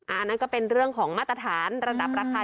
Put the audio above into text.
อันนั้นก็เป็นเรื่องของมาตรฐานระดับราคา